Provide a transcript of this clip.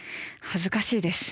恥ずかしいです。